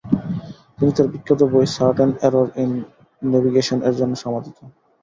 তিনি তার বিখ্যাত বই "সার্টেন এরর ইন নেভিগেশন"এর জন্য সমাধিত।